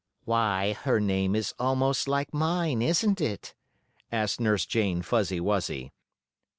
"Why, her name is almost like mine, isn't it?" asked Nurse Jane Fuzzy Wuzzy.